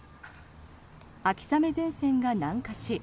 秋雨前線が南下し